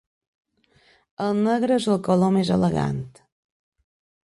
El negre és el color més elegant